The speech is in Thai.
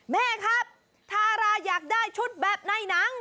แม่ครับทาราอยากได้ชุดแบบในหนัง